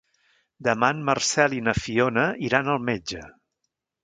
Demà en Marcel i na Fiona iran al metge.